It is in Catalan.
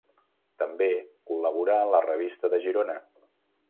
També col·laborà a la Revista de Girona.